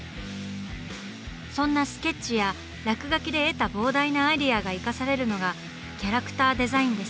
そんなスケッチや落書きで得た膨大なアイデアが生かされるのがキャラクターデザインです。